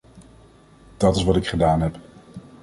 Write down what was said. Dat is wat ik gedaan heb.